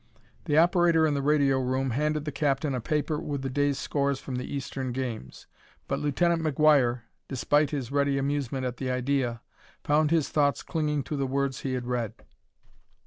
The operator in the radio room handed the captain a paper with the day's scores from the eastern games. But Lieutenant McGuire, despite his ready amusement at the idea, found his thoughts clinging to the words he had read.